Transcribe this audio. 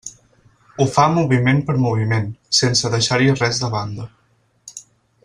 Ho fa moviment per moviment, sense deixar-hi res de banda.